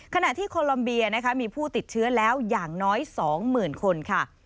ขณะที่โคลอมเบียนะคะมีผู้ติดเชื้อแล้วอย่างน้อย๒๐๐๐คนค่ะ